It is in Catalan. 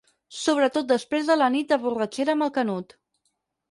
Sobretot després de la nit de borratxera amb el Canut.